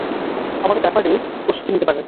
আমাদের ব্যাপারে প্রস্তুতি নিতে পারে।